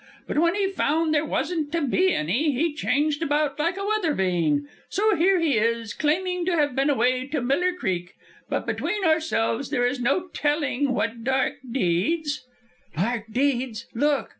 But when he found there wasn't to be any, he changed about like a weather vane. So here he is, claiming to have been away to Miller Creek; but between ourselves there is no telling what dark deeds " "Dark deeds! Look!"